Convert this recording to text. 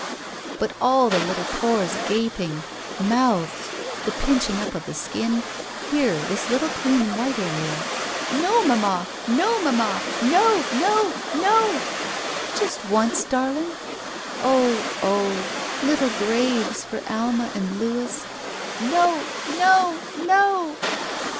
But all the little pores gaping. Mouths! The pinching up of the skin. Here, this little clean and white area. "No, mamma! No, mamma! No! No! No!" "Just once, darling?" Oh — oh — ^little graves for Alma and Lotiis. No! No! No!